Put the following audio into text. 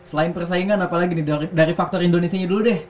selain persaingan apalagi nih dari faktor indonesia nya dulu deh